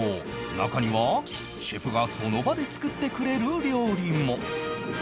中にはシェフがその場で作ってくれる料理も